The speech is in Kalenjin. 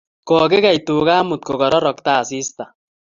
Kogikey tuga amut kogarotokto asista